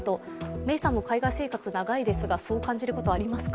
メイさんも海外生活長いですがそう感じることありますか？